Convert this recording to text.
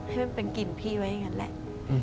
ให้มันเป็นกลิ่นพี่ไว้อย่างนั้นแหละ